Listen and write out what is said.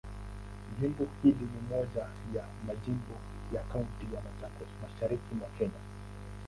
Jimbo hili ni moja ya majimbo ya Kaunti ya Machakos, Mashariki mwa Kenya.